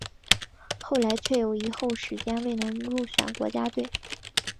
后来却有一后时间未能入选国家队。